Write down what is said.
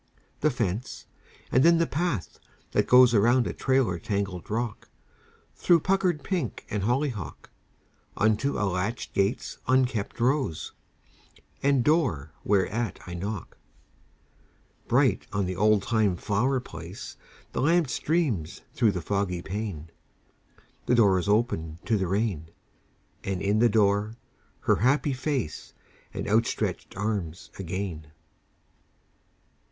The fence; and then the path that goes Around a trailer tangled rock, Through puckered pink and hollyhock, Unto a latch gate's unkempt rose, And door whereat I knock. Bright on the oldtime flower place The lamp streams through the foggy pane; The door is opened to the rain: And in the door her happy face And outstretched arms again.